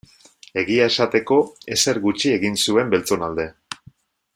Egia esateko, ezer gutxi egin zuen beltzon alde.